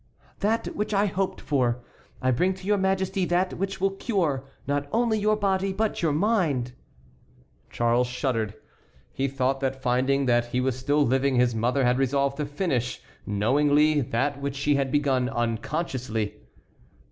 "That which I hoped for; I bring to your Majesty that which will cure not only your body but your mind." Charles shuddered. He thought that finding that he was still living his mother had resolved to finish knowingly that which she had begun unconsciously.